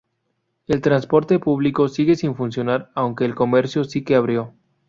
El transporte público sigue sin funcionar aunque el comercio si que abrió.